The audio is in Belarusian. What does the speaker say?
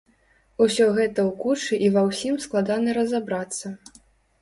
Усё гэта ў кучы і ва ўсім складана разабрацца.